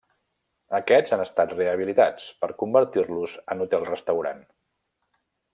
Aquests han estat rehabilitats, per a convertir-los en hotel restaurant.